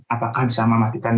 apakah bisa memastikan